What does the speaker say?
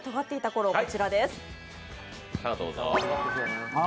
こちらです。